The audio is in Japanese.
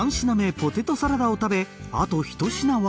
ポテトサラダを食べあと１品は？